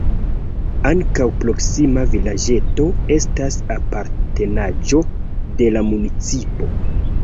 Ankaŭ proksima vilaĝeto estas apartenaĵo de la municipo.